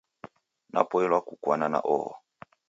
Napoilwa kukwana na oho